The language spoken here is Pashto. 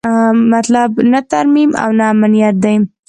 مطلب نه ترمیم او نه امنیت دی.